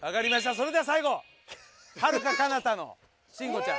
それでは最後遥かかなたの慎吾ちゃん。